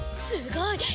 すごい！